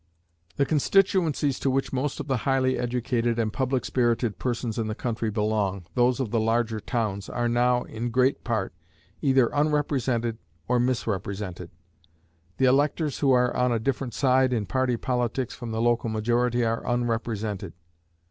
The constituencies to which most of the highly educated and public spirited persons in the country belong, those of the large towns, are now, in great part, either unrepresented or misrepresented. The electors who are on a different side in party politics from the local majority are unrepresented.